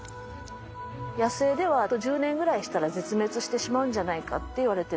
野生ではあと１０年ぐらいしたら絶滅してしまうんじゃないかっていわれてる。